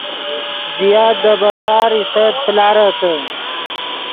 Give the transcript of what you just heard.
زیات دے بازار ایست پلارتے